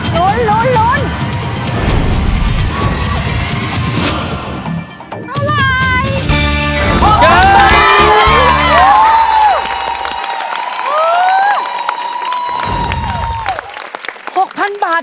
เจ็ดร้อยบาทนะคะราคามหาชนไม่บอกเอาไว้นะครับ